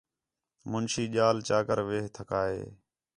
منشی ڄال چا کر وِہ ٹھکا ہِے